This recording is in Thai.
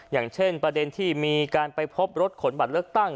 อย่างเช่นประเด็นที่มีการไปพบรถขนบัตรเลือกตั้ง